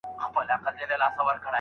زما لفظونه په سجده دې په لمانځه پاته دي